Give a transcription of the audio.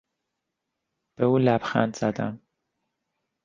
به او لبخند زدم.